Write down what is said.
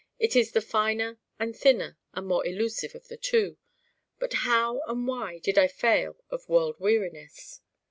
It is the finer and thinner and more elusive of the two. But how and why did I fail of World Weariness?